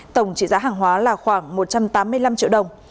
tổng trị giá hàng hóa là khoảng một trăm tám mươi năm triệu đồng